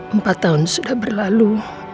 empat tahun sudah berlalu